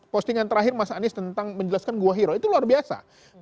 postingan terakhir mas anies tentang menjelaskan gua hero itu luar biasa